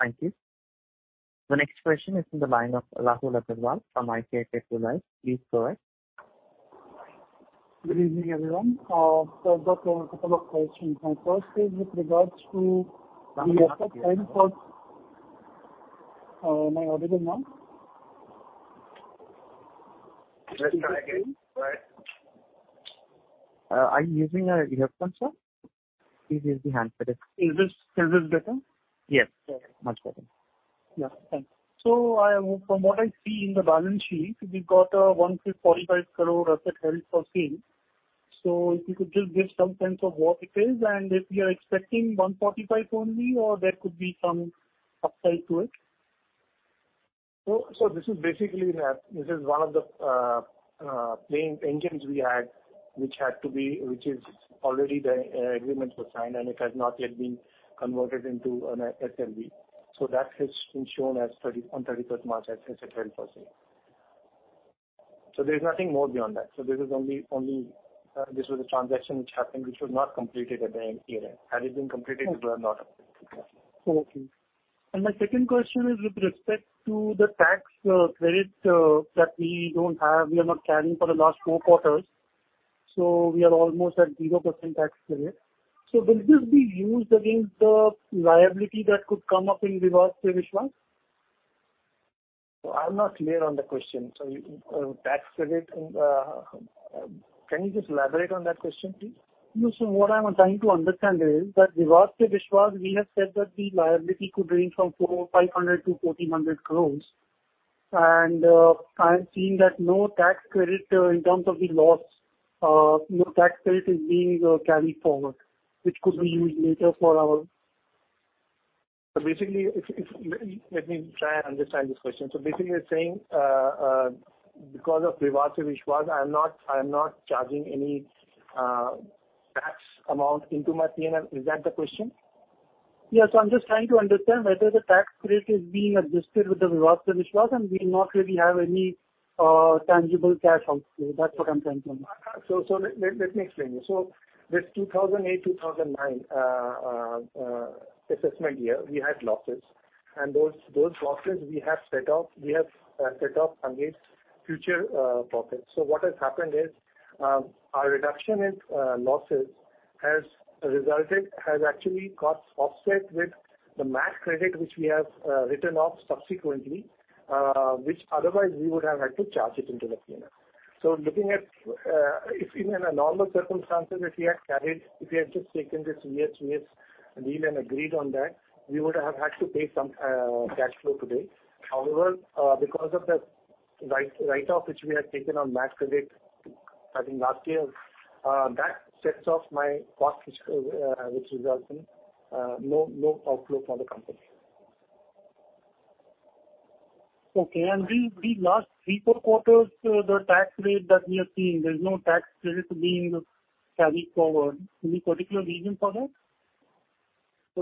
Thank you. The next question is in the line of Rahul Rathod from IC Technicals. Please go ahead. Good evening, everyone. Sir, just a couple of questions. My first is with regards to the asset. Come closer, please. My audio, ma'am? Try again. Go ahead. Are you using an earphone, sir? Please raise your hand for it. Is this better? Yes, much better. Yeah, thanks. From what I see in the balance sheet, we got a 145 crore asset held for sale. If you could just give some sense of what it is and if we are expecting 145 only or there could be some upside to it? This is basically one of the plane engines we had, which is already the agreement was signed, and it has not yet been converted into an SLB. That has been shown on 31st March as asset held for sale. There's nothing more beyond that. This was a transaction which happened, which we've not completed at the end period. Okay. My second question is with respect to the tax credit that we don't have, we are not carrying for the last four quarters. We are almost at 0% tax credit. Will this be used against the liability that could come up in Vivad se Vishwas? I'm not clear on the question. Tax credit. Can you just elaborate on that question, please? No. What I'm trying to understand is that Vivad se Vishwas, we have said that the liability could range from 4,500 crore to INR 4,000 crore. I'm seeing that no tax credit in terms of the loss, no tax credit is being carried forward, which could be used later for our. Let me try and understand this question. You're saying, because of Vivad se Vishwas, I'm not charging any tax amount into my P&L. Is that the question? Yes, I'm just trying to understand whether the tax credit is being adjusted with the Vivad se Vishwas and we not really have any tangible cash outflow. That's what I'm trying to understand. Let me explain you. With 2008, 2009 assessment year, we had losses, and those losses we have set off against future profits. What has happened is our reduction in losses has actually got offset with the MAT credit, which we have written off subsequently, which otherwise we would have had to charge it into the P&L. Looking at if in a normal circumstance, if we had just taken this year to year, and even agreed on that, we would have had to pay some cash flow today. However, because of the write-off which we had taken on MAT credit, I think RKL, that sets off my profit, which results in no outflow for the company. Okay. These last three, four quarters, the tax rate that we have seen, there's no tax credit being carried forward. Any particular reason for that?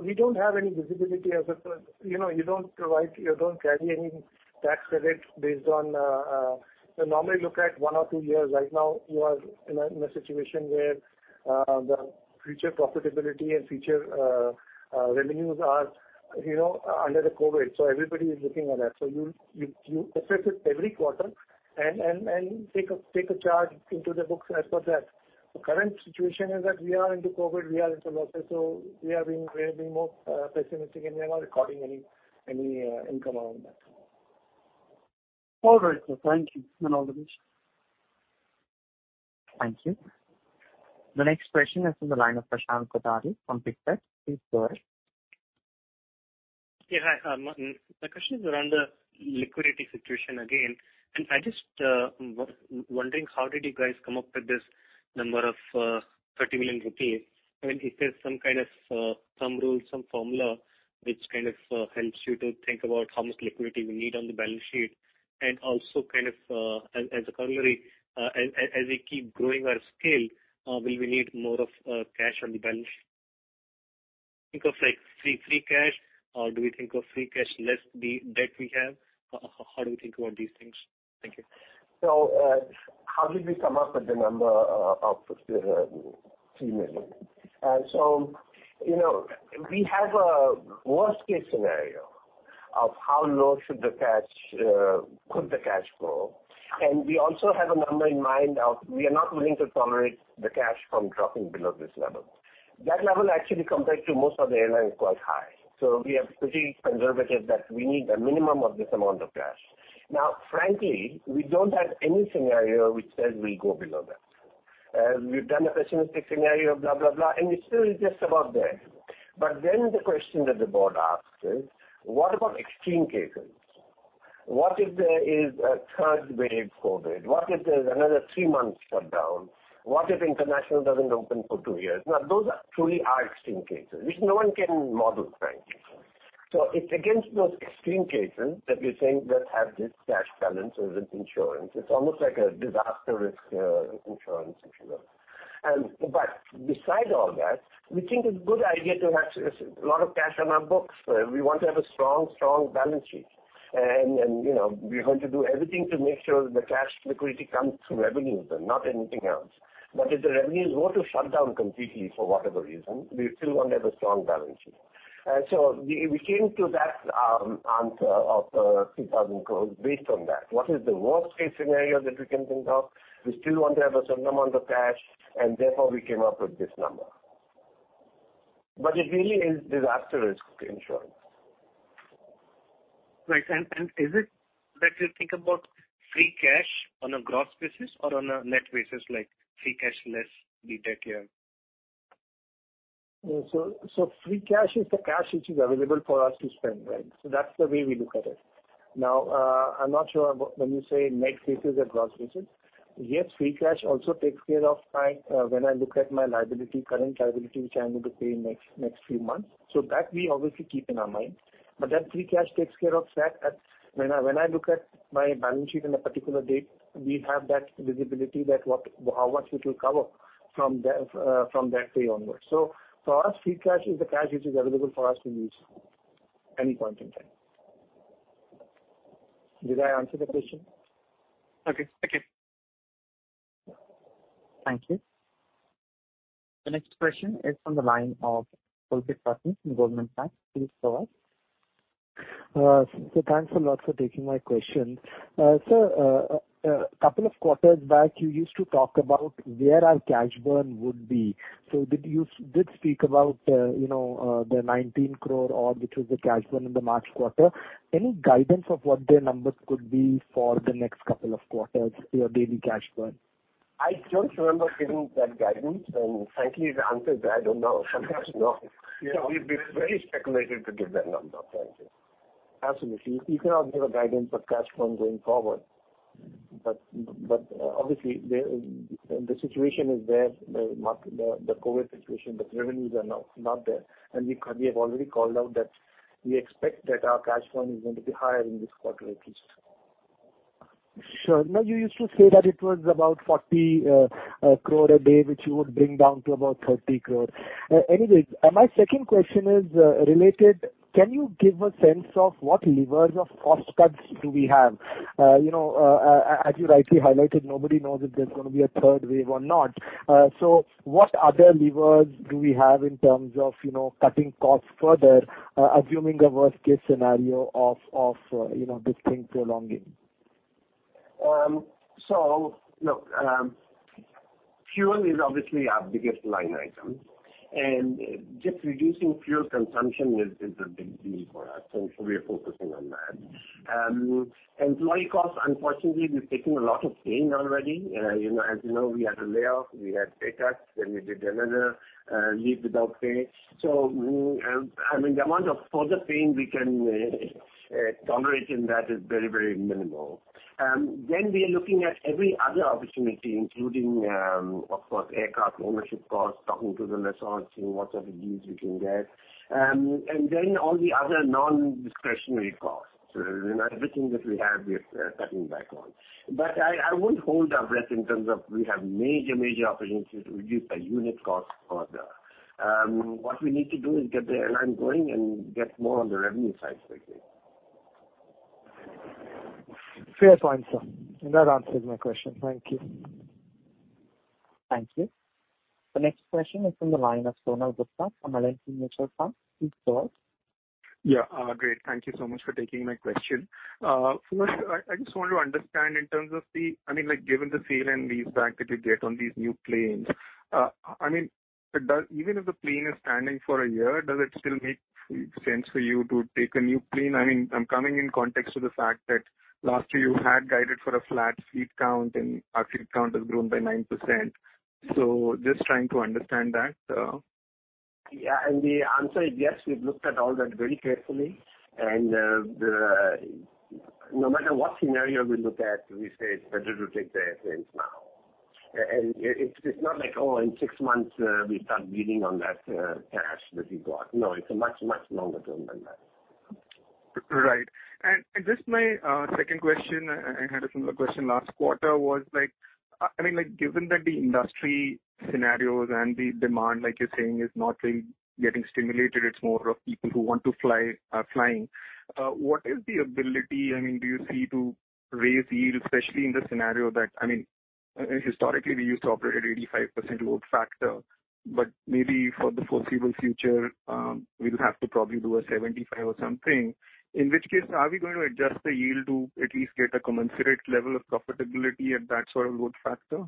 We don't have any visibility as of. We normally look at one or two years. Right now, we are in a situation where the future profitability and future revenues are under the COVID. Everybody is looking at that. You assess it every quarter and take a charge into the books as per that. The current situation is that we are into COVID, we are in some losses, so we are being more pessimistic, and we are not recording any income on that. All right, sir. Thank you. Thank you. The next question is in the line of Prashant Kothari from Investec. Please go ahead. Yeah, hi. My question is around the liquidity situation again. I'm just wondering, how did you guys come up with this number of 30 million rupees? I mean, is there some kind of rule, some formula which kind of helps you to think about how much liquidity we need on the balance sheet? Also kind of as a corollary, as we keep growing our scale, will we need more cash on the balance sheet? Think of free cash, or do we think of free cash less the debt we have? How do you think about these things? Thank you. How did we come up with the number of INR 3 million? We have a worst-case scenario of how low could the cash go, and we also have a number in mind of we are not willing to tolerate the cash from dropping below this level. That level actually compared to most of the airlines is quite high. We are pretty conservative that we need a minimum of this amount of cash. Now, frankly, we don't have any scenario which says we go below that. We've done a pessimistic scenario, blah, blah, and it still is just above there. The question that the board asks is, what about extreme cases? What if there is a third wave COVID-19? What if there's another three months shutdown? What if international doesn't open for two years? Those truly are extreme cases, which no one can model, frankly. It's against those extreme cases that we think, let's have this cash balance as insurance. It's almost like a disaster risk insurance, if you will. Beside all that, we think it's a good idea to have a lot of cash on our books. We want to have a strong balance sheet. We're going to do everything to make sure the cash liquidity comes from revenues and not anything else. If the revenues were to shut down completely for whatever reason, we still want to have a strong balance sheet. We came to that answer of 3,000 crore based on that. What is the worst-case scenario that we can think of? We still want to have a certain amount of cash, and therefore, we came up with this number. It really is disaster risk insurance. Right. Is it that you think about free cash on a gross basis or on a net basis, like free cash less debt you have? Free cash is the cash which is available for us to spend. That's the way we look at it. Now, I'm not sure when you say net basis or gross basis. Yes, free cash also takes care of when I look at my current liability, which I need to pay next three months. That we obviously keep in our mind. But that free cash takes care of that. When I look at my balance sheet on a particular date, we have that visibility that how much it will cover from that day onwards. For us, free cash is the cash which is available for us to use any point in time. Did I answer the question? Okay. Thank you. Thank you. The next question is from the line of Pulkit Garg from Goldman Sachs. Please go on. Sir, thanks a lot for taking my question. Sir, a couple of quarters back, you used to talk about where our cash burn would be. You did speak about the 19 crore odd, which was the cash burn in the March quarter. Any guidance of what the numbers could be for the next couple of quarters, your daily cash burn? I don't remember giving that guidance, and frankly, the answer is I don't know. It'd be very speculative to give that number, frankly. Absolutely. You cannot give a guidance for cash flow going forward. Obviously, the COVID situation, the revenues are now not there. We have already called out that we expect that our cash burn is going to be higher in this quarter, at least. Sure. You used to say that it was about 40 crore a day, which you would bring down to about 30 crore. My second question is related. Can you give a sense of what levers of cost cuts do we have? As you rightly highlighted, nobody knows if there's going to be a third wave or not. What other levers do we have in terms of cutting costs further, assuming a worst-case scenario of this thing prolonging? Look, fuel is obviously our biggest line item, and just reducing fuel consumption is a big thing for us, so we are focusing on that. Employee cost, unfortunately, we've taken a lot of pain already. As you know, we had a layoff, we had pay cuts, then we did another leave without pay. I mean, the amount of further pain we can tolerate in that is very minimal. We are looking at every other opportunity, including, of course, aircraft ownership costs, talking to the lessors, seeing what sort of deals we can get, and then all the other non-discretionary costs. Everything that we have, we are cutting back on. I won't hold our breath in terms of we have major opportunities to reduce our unit costs further. What we need to do is get the airline going and get more on the revenue side, frankly. Fair point, sir. That answers my question. Thank you. Thank you. The next question is on the line of Sonal Gupta from HSBC Mutual Fund. Please go on. Yeah. Great. Thank you so much for taking my question. First, I just want to understand in terms of the, I mean, given the sale and leaseback that you get on these new planes. I mean, even if the plane is standing for a year, does it still make sense for you to take a new plane? I mean, I'm coming in context to the fact that lastly you had guided for a flat fleet count and fleet count has grown by 9%. Just trying to understand that. The answer is yes, we've looked at all that very carefully. No matter what scenario we look at, we say it's better to take the airplanes now. It's not like, oh, in six months we start losing on that cash that we got. No, it's a much longer term than that. Right. Just my second question, I had a similar question last quarter was, given that the industry scenarios and the demand, like you're saying, is not really getting stimulated, it's more of people who want to fly are flying. What is the ability do you see to raise yields, especially in the scenario that, historically we used to operate at 85% load factor, but maybe for the foreseeable future, we'll have to probably do a 75 or something. In which case, are we going to adjust the yield to at least get a commensurate level of profitability at that sort of load factor?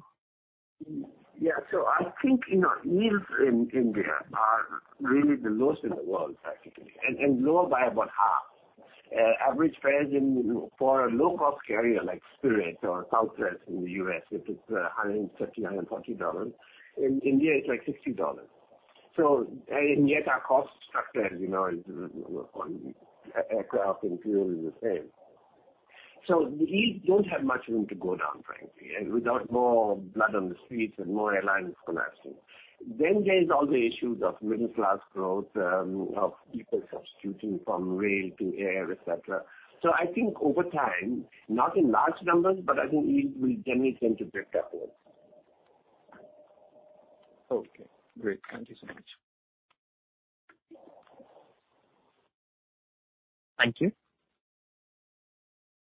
I think yields in India are really the lowest in the world, practically, and lower by about half. Average fares for a low-cost carrier like Spirit or Southwest in the U.S., it is $130, $140. In India, it's like $60. Yet our cost structure is on aircraft and fuel is the same. We don't have much room to go down, frankly, without more blood on the streets and more airlines collapsing. There's all the issues of middle-class growth, of people substituting from rail to air, et cetera. I think over time, not in large numbers, but I think we can expect to pick up loads. Okay, great. Thank you so much. Thank you.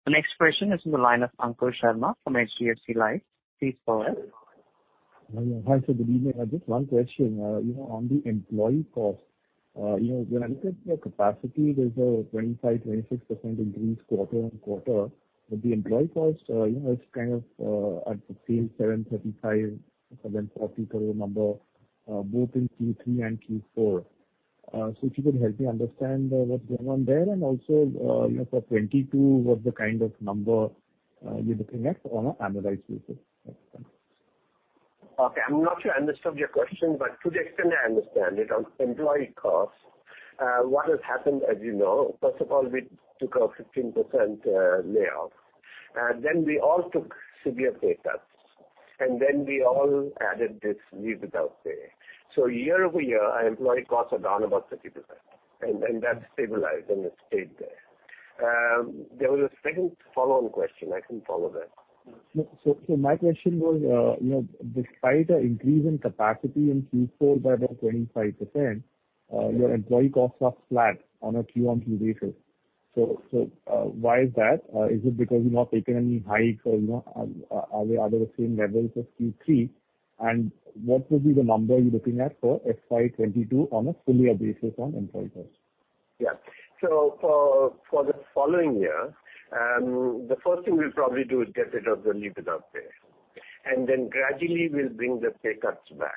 The next question is from the line of Ankush Sharma from HDFC Life. Please go ahead. Hi, good evening. I have just one question. On the employee cost, when I look at your capacity, there's a 25%-26% increase quarter-on-quarter, but the employee cost is kind of at the same 735, 740 number, both in Q3 and Q4. If you could help me understand what's going on there, and also for 2022, what's the kind of number you're looking at on an annualized basis? Thanks. Okay. I'm not sure I understood your question, but to the extent I understand it, on employee costs, what has happened, as you know, first of all, we took a 15% layoff, and then we all took severe pay cuts, and then we all added this leave without pay. Year-over-year, employee costs are down about 30%, and that's stabilized, and it's stayed there. There was a second follow-on question. I didn't follow that. No. My question was, despite an increase in capacity in Q4 by about 25%, your employee costs are flat on a Q-on-Q basis. Why is that? Is it because you've not taken any hike or are they at the same levels as Q3? What will be the number you're looking at for FY 2022 on a full year basis on employee costs? Yeah. For the following year, the first thing we'll probably do is get rid of the leave without pay. Then gradually we'll bring the pay cuts back.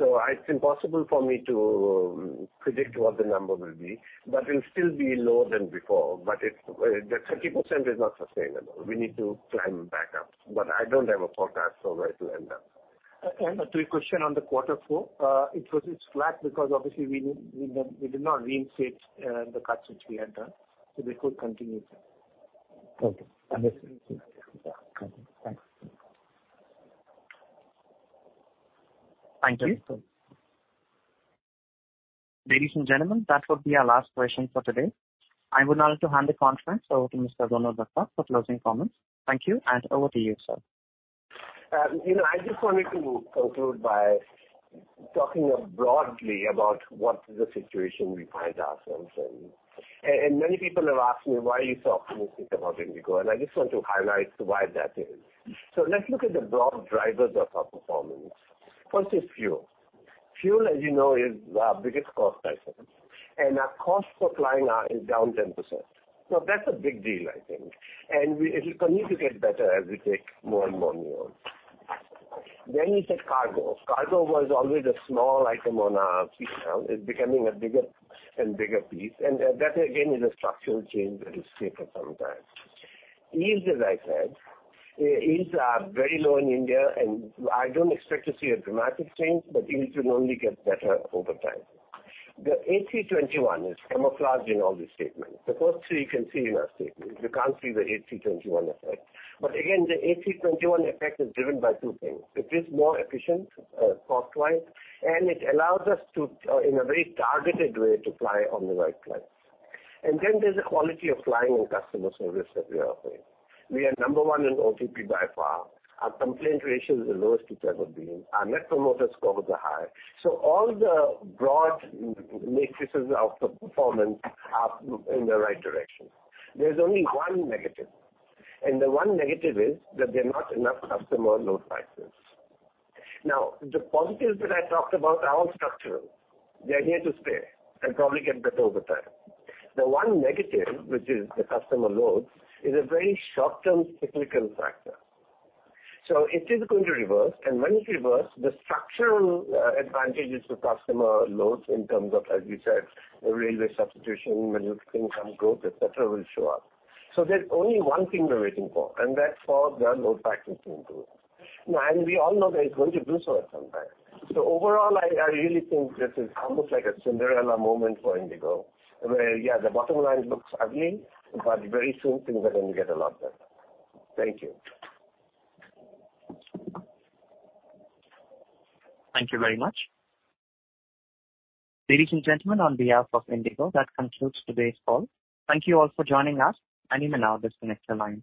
It's impossible for me to predict what the number will be, but it will still be lower than before. The 30% is not sustainable. We need to climb back up, but I don't have a forecast for where to end up. Okay. The question on the Q4, it was flat because obviously we did not reinstate the cuts which we had done, so they could continue. Okay. Understood. Thanks. Thank you. Ladies and gentlemen, that would be our last question for today. I would now like to hand the conference over to Mr. Rono Dutta for closing comments. Thank you, and over to you, sir. I just wanted to conclude by talking broadly about what is the situation we find ourselves in. Many people have asked me, why are you so optimistic about IndiGo? I just want to highlight why that is. Let's look at the broad drivers of our performance. First is fuel. Fuel, as you know, is our biggest cost item, and our cost per flight hour is down 10%. That's a big deal, I think. It will continue to get better as we take more and more yields. You take cargo. Cargo was always a small item on our P&L, it's becoming a bigger and bigger piece, and that again, is a structural change that is here for some time. Yields, as I said, yields are very low in India, and I don't expect to see a dramatic change, but yields can only get better over time. The A321 is camouflaging all these statements. The first three you can see in our statements. You can't see the A321 effect. Again, the A321 effect is driven by two things. It is more efficient cost-wise, and it allows us to, in a very targeted way, to fly on the right planes. There's the quality of flying and customer service that we are offering. We are number one in OTP by far. Our complaint ratio is the lowest it's ever been. Our Net Promoter Scores are high. All the broad matrices of performance are in the right direction. There's only one negative, and the one negative is that there are not enough customer load factors. Now, the positives that I talked about are all structural. They're here to stay and probably get better over time. The one negative, which is the customer loads, is a very short-term cyclical factor. It is going to reverse, and when it reverses, the structural advantages to customer loads in terms of, as you said, railway substitution, middle-class income growth, et cetera, will show up. There's only one thing we're waiting for, and that's for the load factors to improve. We all know they're going to do so at some time. Overall, I really think this is almost like a Cinderella moment for IndiGo, where, yeah, the bottom line looks ugly, but very soon things are going to get a lot better. Thank you. Thank you very much. Ladies and gentlemen, on behalf of IndiGo, that concludes today's call. Thank you all for joining us. You may now disconnect your lines.